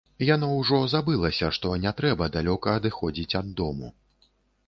Яно ўжо забылася, што не трэба далёка адыходзіць ад дому.